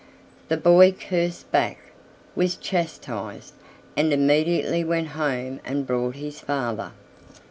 The boy cursed back, was chastised, and immediately went home and brought his father.